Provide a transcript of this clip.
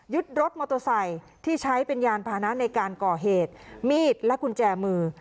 ยึดรถมอโตซัยที่ใช้เป็นยานพานะในการกอเหตุมีดและกุญแจมือ